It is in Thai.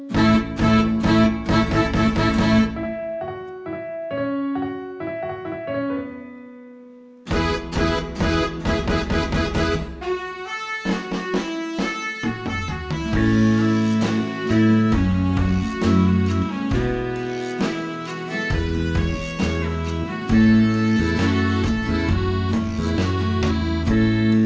โปรดติดตามตอนต่อไป